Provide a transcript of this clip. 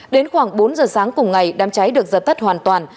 đến khoảng bốn giờ sáng cùng ngày đám cháy được dập tắt hoàn toàn